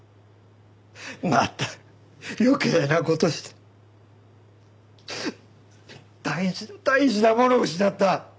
また余計な事して大事な大事なものを失った。